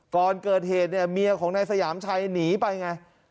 ก่อนเกิดเหตุเนี่ยเมียของนายสยามชัยหนีไปไง